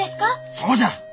そうじゃ！